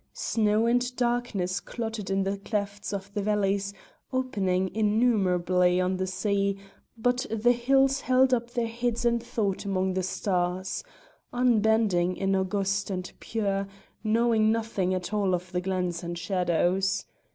Snow and darkness clotted in the clefts of the valleys opening innumerably on the sea, but the hills held up their heads and thought among the stars unbending and august and pure, knowing nothing at all of the glens and shadows.